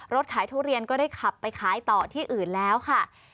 ขายทุเรียนก็ได้ขับไปขายต่อที่อื่นแล้วค่ะ